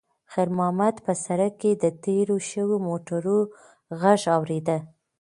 خیر محمد په سړک کې د تېرو شویو موټرو غږ اورېده.